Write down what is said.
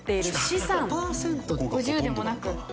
５０でもなく。